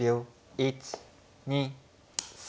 １２３。